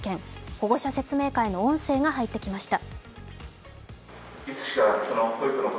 保護者説明会の音声が入ってきました。